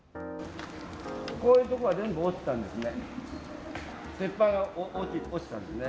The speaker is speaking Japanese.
こういう所が全部落ちたんですね。